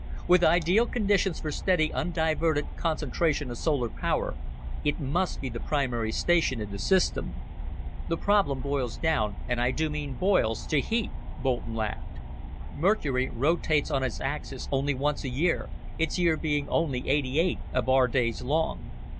With ideal conditions for steady, undiverted concentration of solar power, it must be the primary station in the system." "The problem boils down and I do mean 'boils' to heat," Boulton laughed. "Mercury rotates on its axis only once a year its year being only eighty eight of our days long.